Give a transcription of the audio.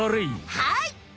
はい。